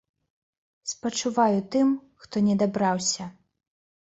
Спачуваю тым, хто не дабраўся.